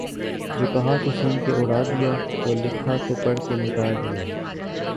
جو کہا تو سن کے اڑا دیا جو لکھا تو پڑھ کے مٹا دیا